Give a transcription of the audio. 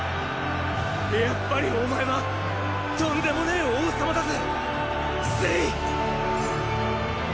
やっぱりお前はとんでもねェ王様だぜ政！